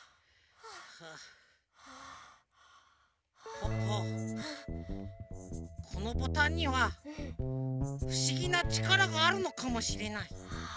ポッポこのボタンにはふしぎなちからがあるのかもしれない。